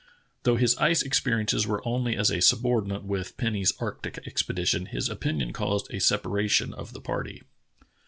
Though his ice experiences were only as a subordinate with Penny's arctic expedition, his opin ion caused a separation of the party.